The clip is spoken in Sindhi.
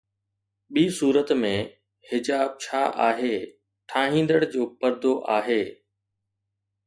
ٻي صورت ۾، حجاب ڇا آهي، ٺاهيندڙ جو پردو آهي